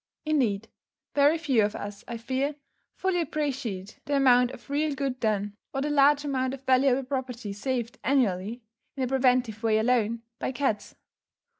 Indeed, very few of us, I fear, fully appreciate the amount of real good done, or the large amount of valuable property saved annually in a preventive way alone by cats.